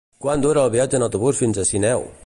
Quant dura el viatge en autobús fins a Sineu?